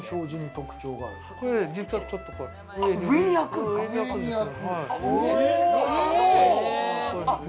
これは実はちょっと、上に開くんですよ。